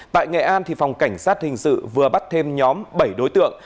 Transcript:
tại nghệ an phòng cảnh sát hình sự vừa bắt thêm nhóm bảy đối tượng